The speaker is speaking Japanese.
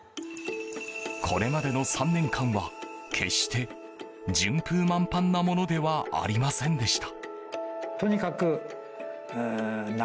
これまでの３年間は決して、順風満帆なものではありませんでした。